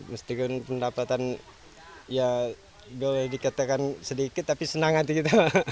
meskipun pendapatan ya boleh dikatakan sedikit tapi senang hati kita